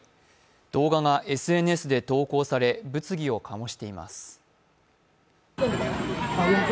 動画がＳＮＳで投稿され、物議を醸しています。